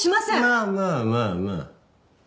まあまあまあまあ。